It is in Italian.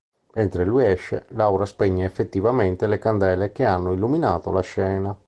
Mentre lui esce, Laura spegne effettivamente le candele che hanno illuminato la scena.